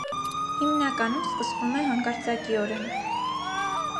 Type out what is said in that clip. Հիմնականում սկսվում է հանկարծակիորեն։